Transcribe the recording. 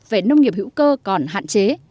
về nông nghiệp hữu cơ còn hạn chế